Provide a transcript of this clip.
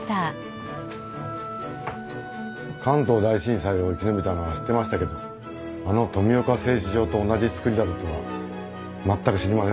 関東大震災を生き延びたのは知ってましたけどあの富岡製糸場と同じ造りだったとは全く知りませんでした。